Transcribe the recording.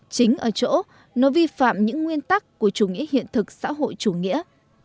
chính ở chỗ nó vi phạm những nguyên tắc của chủ nghĩa hiện thực xã hội chủ nghĩa